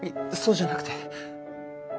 そうじゃなくて。